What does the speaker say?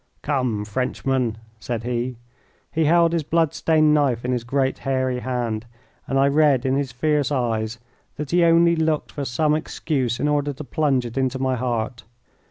"Come, Frenchman," said he. He held his blood stained knife in his great, hairy hand, and I read in his fierce eyes that he only looked for some excuse in order to plunge it into my heart.